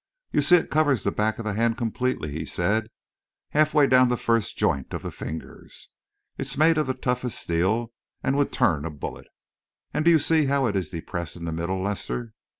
"You see it covers the back of the hand completely," he said, "half way down the first joint of the fingers. It is made of the toughest steel and would turn a bullet. And do you see how it is depressed in the middle, Lester?"